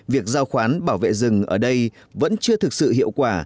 việc giao khoán bảo vệ rừng ở đây vẫn chưa thực sự hiệu quả